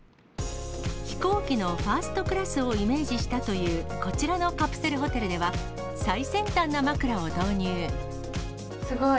飛行機のファーストクラスをイメージしたというこちらのカプセルすごい。